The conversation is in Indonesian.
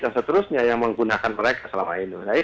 dan seterusnya yang menggunakan mereka selama ini